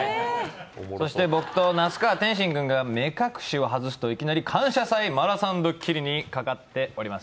僕と那須川天心君が目隠しを外すといきなり「感謝祭」マラソンドッキリにかかっております。